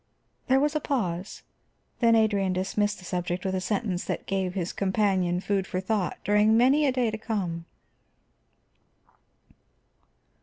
There was a pause, then Adrian dismissed the subject with a sentence that gave his companion food for thought during many a day to come.